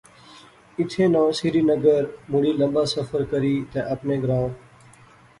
ایتھیں ناں سری نگر مڑی لمبا سفر کری تے اپنے گراں